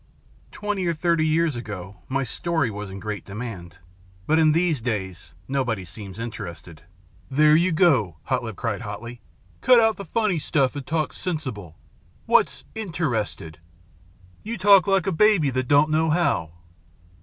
"Twenty or thirty years ago my story was in great demand. But in these days nobody seems interested " "There you go!" Hare Lip cried hotly. "Cut out the funny stuff and talk sensible. What's interested? You talk like a baby that don't know how."